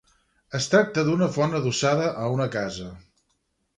Es tracta d'una font adossada a una casa.